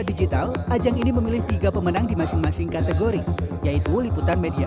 digital ajang ini memilih tiga pemenang di masing masing kategori yaitu liputan media